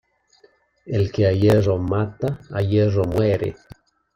El que a hierro mata a hierro muere.